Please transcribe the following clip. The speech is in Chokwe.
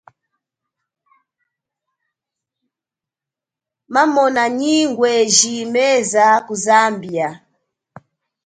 Mamona nyi ngweji menda ku Zambia.